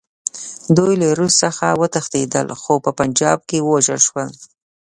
دوی له روس څخه وتښتېدل، خو په پنجاب کې ووژل شول.